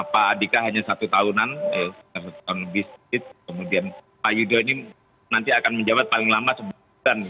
pak andika hanya satu tahunan kemudian pak yudo ini nanti akan menjawab paling lama sebulan